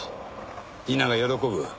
里奈が喜ぶ。